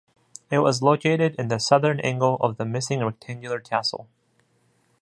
It was located in the southern angle of the missing rectangular castle.